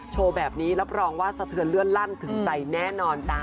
โชว์แบบนี้รับรองว่าสะเทือนเลื่อนลั่นถึงใจแน่นอนจ้า